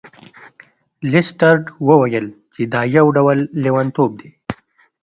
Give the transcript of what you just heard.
لیسټرډ وویل چې دا یو ډول لیونتوب دی.